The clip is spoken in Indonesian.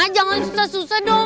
jangan susah susah dong